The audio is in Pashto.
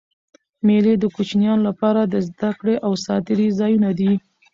مېلې د کوچنيانو له پاره د زدهکړي او ساتېري ځایونه دي.